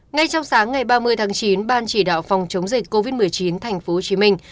ngay trong sáng ngày ba mươi tháng chín ban chỉ đạo phòng chống dịch covid một mươi chín thành phố hồ chí minh